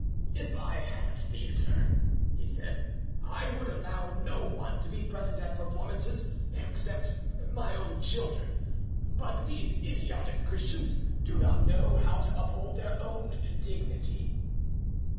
"If I had a theatre," he said, "I would allow no one to be present at performances except my own children; but these idiotic Christians do not know how to uphold their own dignity."